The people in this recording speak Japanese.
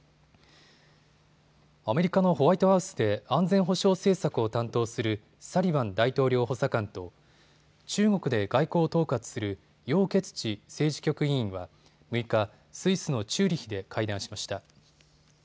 アメリカのホワイトハウスで安全保障政策を担当するサリバン大統領補佐官と中国で外交を統括する楊潔ち政治局委員は６日、スイスのチューリヒで会談しました。